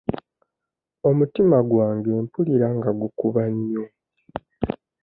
Omutima gwange mpulira nga gukuba nnyo.